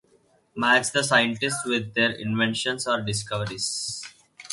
Match the scientists with their inventions or discoveries.